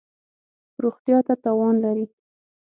روغتیا ته تاوان لری